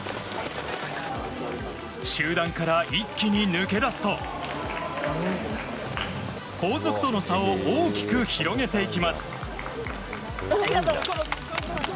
集団から一気に抜け出すと後続との差を大きく広げていきます。